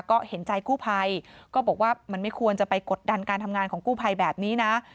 ก็เห็นใจกู้ภัยก็บอกว่ามันไม่ควรจะไปกดดันการทำงานของกู้ภัยแบบนี้นะ